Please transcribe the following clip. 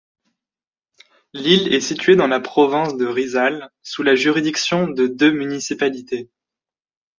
L'île est située dans la province de Rizal, sous la juridiction de deux municipalités.